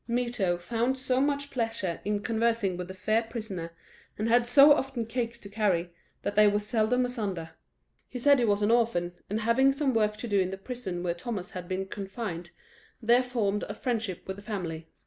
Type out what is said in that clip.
Mirto found so much pleasure in conversing with the fair prisoner, and had so often cakes to carry, that they were seldom asunder. He said he was an orphan, and having some work to do in the prison where Thomas had been confined, there formed a friendship with the family.